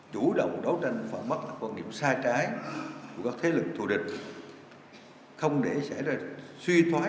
chủ động đấu tranh phản bác lại quan điểm sai trái của các thế lực thù địch không để xảy ra suy thoái